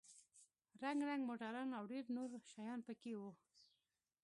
رنگ رنگ موټران او ډېر نور شيان پکښې وو.